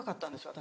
私。